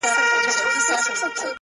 زه هم خطا وتمه ـ